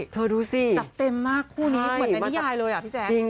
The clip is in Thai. ดูสิจัดเต็มมากคู่นี้เหมือนในนิยายเลยอ่ะพี่แจ๊ค